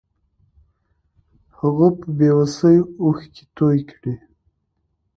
هغه په بې وسۍ اوښکې توې کړې.